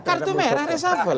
kartu merah resafel